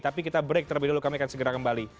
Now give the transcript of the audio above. tapi kita break terlebih dahulu kami akan segera kembali